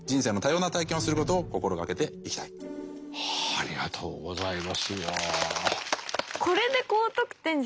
ありがとうございます。